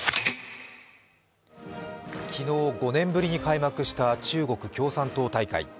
昨日、５年ぶりに開幕した中国共産党大会。